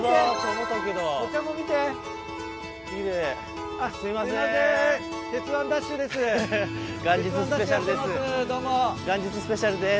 元日スペシャルです。